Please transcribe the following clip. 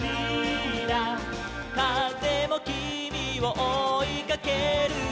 「かぜもきみをおいかけるよ」